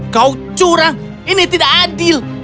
kau curang ini tidak adil